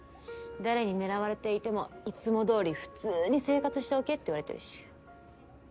誰に狙われていてもいつも通り普通に生活しておけって言われてるし。